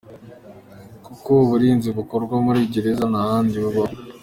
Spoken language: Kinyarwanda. Kuko uburinzi bukorwa muri gereza ntahandi bubaho.